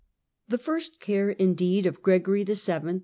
The first care, indeed, of Gregory VII.